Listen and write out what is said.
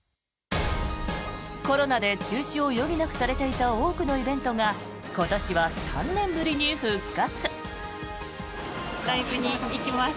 コロナで中止を余儀なくされていた多くのイベントが今年は３年ぶりに復活。